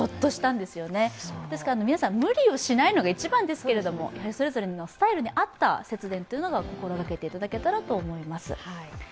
ですから皆さん、無理をしないのが一番ですけれどもそれぞれのスタイルに合った節電を心がけていただけたらと思います。